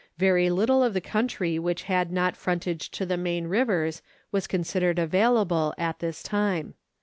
Very little of the country which had not frontage to the main rivers was considered available at this time.